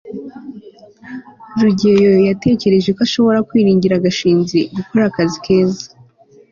rugeyo yatekereje ko ashobora kwiringira gashinzi gukora akazi keza